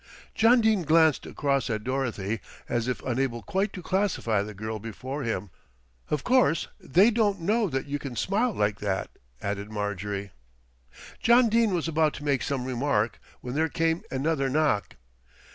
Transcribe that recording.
John Dene glanced across at Dorothy, as if unable quite to classify the girl before him. "Of course they don't know that you can smile like that," added Marjorie. John Dene was about to make some remark when there came another knock.